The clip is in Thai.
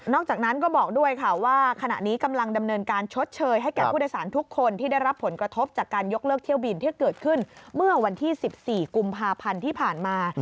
อกจากนั้นก็บอกด้วยค่ะว่าขณะนี้กำลังดำเนินการชดเชยให้แก่ผู้โดยสารทุกคนที่ได้รับผลกระทบจากการยกเลิกเที่ยวบินที่เกิดขึ้นเมื่อวันที่๑๔กุมภาพันธ์ที่ผ่านมา